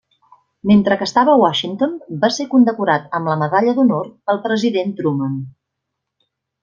Mentre que estava a Washington va ser condecorat amb la Medalla d'Honor pel President Truman.